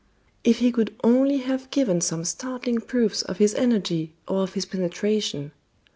If he could only have given some startling proofs of his energy or of his penetration!